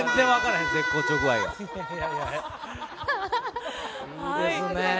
いいですね。